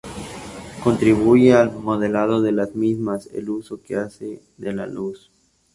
Contribuye al modelado de las mismas el uso que hace de la luz.